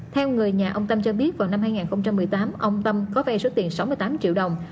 theo người nhà ông tâm cho biết vào năm hai nghìn một mươi tám ông tâm có vay số tiền sáu mươi tám triệu đồng